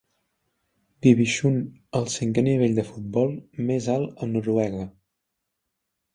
Divisjon, el cinquè nivell de futbol més alt a Noruega.